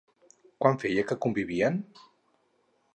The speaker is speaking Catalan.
Quant feia que convivien?